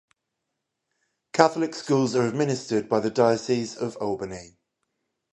Catholic schools are administered by the Diocese of Albany.